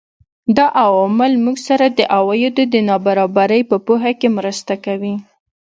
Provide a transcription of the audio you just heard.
دا عوامل موږ سره د عوایدو د نابرابرۍ په پوهه کې مرسته کوي